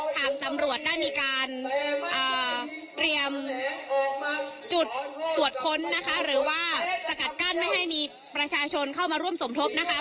ทางตำรวจได้มีการเตรียมจุดตรวจค้นนะคะหรือว่าสกัดกั้นไม่ให้มีประชาชนเข้ามาร่วมสมทบนะคะ